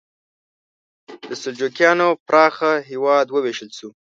د سلجوقیانو پراخه هېواد وویشل شو.